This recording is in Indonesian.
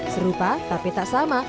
serupa tapi tak sama